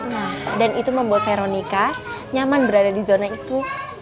nah dan itu membuat veronica nyaman berada di zona itu